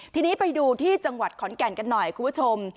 ทีนี้ไปดูที่จังหวัดขอนแก่นกันหน่อยคุณผู้ชม